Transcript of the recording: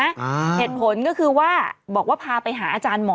อ่าเหตุผลก็คือว่าบอกว่าพาไปหาอาจารย์หมอ